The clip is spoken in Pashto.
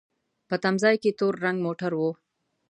په تم ځای کې تور رنګ موټر و.